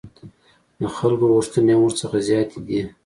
د خلکو غوښتنې هم ورڅخه زیاتې دي.